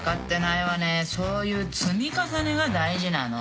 そういう積み重ねが大事なの。